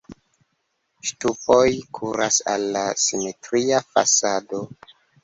Ŝtupoj kuras al la simetria fasado.